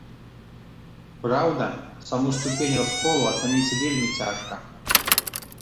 Праўда, саму ступень расколу ацаніць вельмі цяжка.